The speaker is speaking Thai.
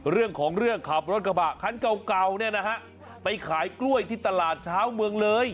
เรื่องของเรื่องขับรถกระบะคันเก่าเนี่ยนะฮะไปขายกล้วยที่ตลาดเช้าเมืองเลย